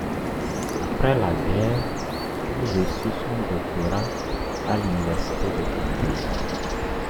Après la guerre, il reçut son doctorat à l'université de Cambridge.